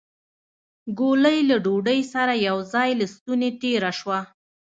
ګولۍ له ډوډۍ سره يو ځای له ستونې تېره شوه.